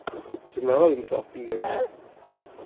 Zemreɣ ad mmteɣ fell-ak.